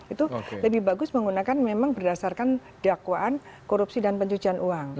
itu lebih bagus menggunakan memang berdasarkan dakwaan korupsi dan pencucian uang